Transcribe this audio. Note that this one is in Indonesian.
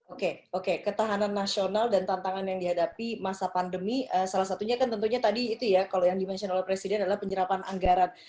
oke oke ketahanan nasional dan tantangan yang dihadapi masa pandemi salah satunya kan tentunya tadi itu ya kalau yang dimention oleh presiden adalah penyerapan anggaran